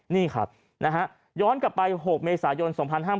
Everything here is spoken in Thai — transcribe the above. นี่ครับนะฮะย้อนกลับไป๖เมษายน๒๕๕๙